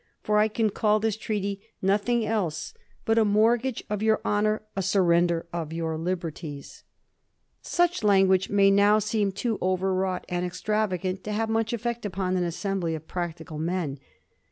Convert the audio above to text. For I can call this treaty nothing else but a mortgage of 166 A HISTOBT OF THE FOUB GEORGEa gh.xxxl your honor, a surrender of your liberties." Such language may now seem too overwrought and extravagant to have much effect upon an assembly of practical men.